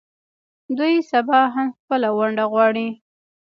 دوی سبا هم خپله ونډه غواړي.